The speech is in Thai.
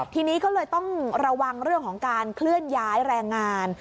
ทีนี้ก็เลยต้องระวังเรื่องของการเคลื่อนย้ายแรงงาน